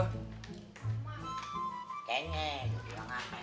kengen jodoh ngapain